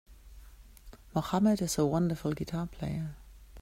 Mohammed is a wonderful guitar player.